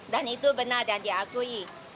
dan itu benar dan diakui